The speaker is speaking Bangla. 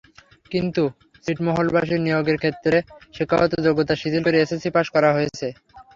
কিন্তু ছিটমহলবাসীর নিয়োগের ক্ষেত্রে শিক্ষাগত যোগ্যতা শিথিল করে এসএসসি পাস করা হয়েছে।